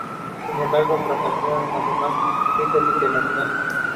The title was clinched by Robert Shwartzman in the first race.